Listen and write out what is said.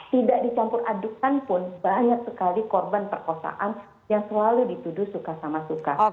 tidak dicampur adukan pun banyak sekali korban perkosaan yang selalu dituduh suka sama suka